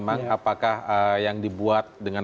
baik kita akan lanjutkan nanti dari pandangan